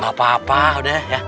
gak apa apa udah ya